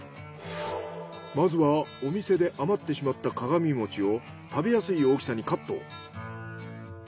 まずはお店であまってしまった鏡餅を食べやすい大きさにカット。